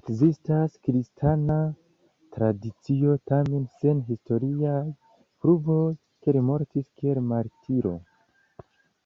Ekzistas kristana tradicio, tamen sen historiaj pruvoj, ke li mortis kiel martiro.